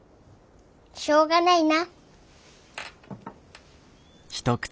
しょうがないな。